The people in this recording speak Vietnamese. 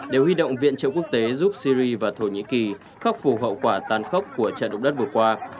để huy động viện trợ quốc tế giúp syri và thổ nhĩ kỳ khắc phủ hậu quả tàn khốc của trận động đất vừa qua